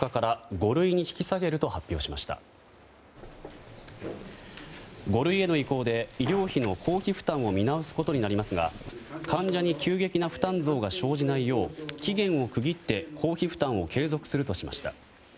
五類への移行で医療費の公費負担を見直すことになりますが患者に急激な負担増が生じないよう期限を区切って公費負担を継続するとしました。